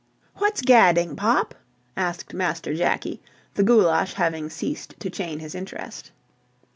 "What's gadding, Pop?" asked Master Jakie, the goulash having ceased to chain his interest.